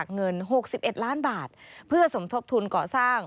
เงิน๖๑ล้านบาทเพื่อสมทบทุนเกาะสร้าง